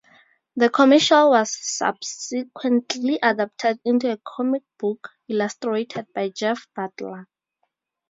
The commercial was subsequently adapted into a comic book illustrated by Jeff Butler.